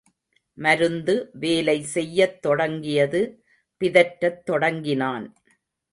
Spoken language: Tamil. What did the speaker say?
மருந்து வேலை செய்யத் தொடங்கியது பிதற்றத் தொடங்கினான்.